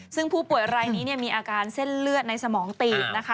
ซึ่งผู้ป่วยรายนี้มีอาการเส้นเลือดในสมองตีบนะคะ